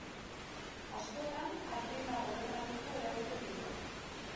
Askotan azienda gobernatzeko erabiltzen dira.